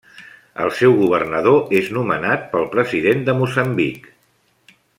El seu governador és nomenat pel president de Moçambic.